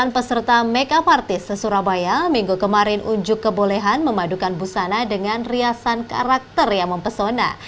dua puluh sembilan peserta make up artis di surabaya minggu kemarin unjuk kebolehan memadukan busana dengan riasan karakter yang mempesona